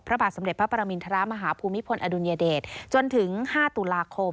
พระบาทสมเด็จพระปรมินทรมาฮภูมิพลอดุลยเดชจนถึง๕ตุลาคม